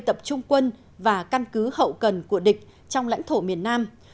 tập trung quân và căn cứ hậu cần của địch trong lãnh thổ miền nam